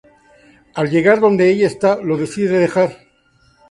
Al llegar donde ella está, lo decide dejar.